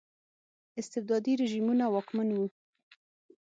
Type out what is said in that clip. استبدادي رژیمونه واکمن وو.